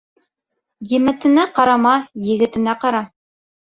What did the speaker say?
Еметенә ҡарама, егетенә ҡара.